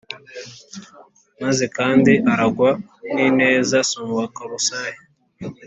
meza kandi arangwa n ineza Soma mu Bakolosayi